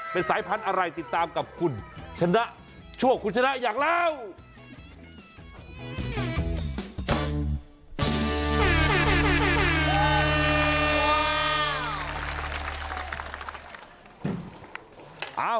เป็นสายพันธุ์อะไรติดตามกับคุณชนะช่วงคุณชนะอยากเล่า